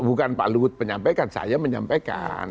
bukan pak luhut penyampaikan saya menyampaikan